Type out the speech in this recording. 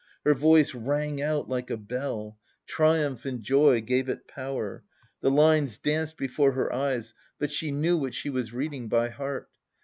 Her voice rang out like a bell; triumph and joy gave it power. The lines danced before her eyes, but she knew what she was reading by heart.